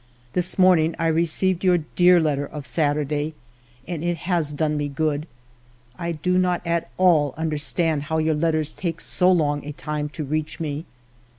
This morning I re ceived your dear letter of Saturday, and it has done me good. I do not at all understand how your letters take so long a time to reach me.